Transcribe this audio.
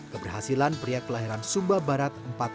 keberhasilan pria kelahiran subah barat berubah